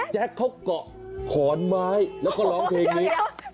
เขาเกาะขอนไม้แล้วก็ร้องเพลงนี้